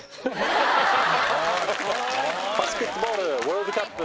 バスケットボールワールドカップ